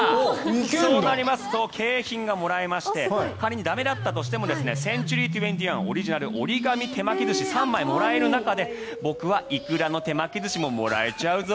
そうなりますと景品がもらえまして仮に駄目だったとしてもセンチュリー２１オリジナル折り紙手巻き寿司が３枚もらえる中で僕はイクラの手巻き寿司ももらえちゃうぞ！